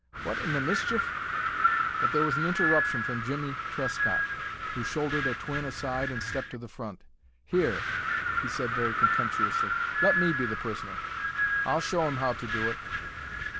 What in the mischief " But there was an interruption from Jimmie Trescott, who shouldered a twin aside and stepped to the front. "Here," he said, very contemptuously, "let me be the prisoner. I'll show 'im how to do it."